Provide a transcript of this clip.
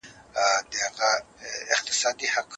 ایا د زړه د رګونو د سلامتۍ لپاره د انګورو خوړل ګټور دي؟